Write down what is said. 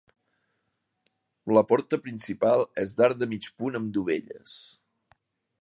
La porta principal és d'arc de mig punt amb dovelles.